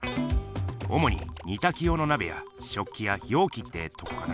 おもに煮炊き用のなべや食器や容器ってとこかな。